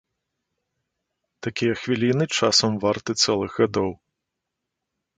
Такія хвіліны часам варты цэлых гадоў.